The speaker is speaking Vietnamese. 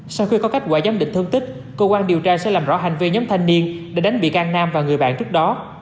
sau khi có kết quả giám định thương tích cơ quan điều tra sẽ làm rõ hành vi nhóm thanh niên để đánh bị can nam và người bạn trước đó